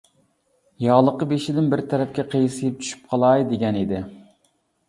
ياغلىقى بېشىدىن بىر تەرەپكە قىيسىيىپ چۈشۈپ قالاي دېگەن ئىدى.